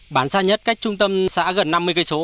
bản xa nhất cách trung tâm xã gần năm mươi km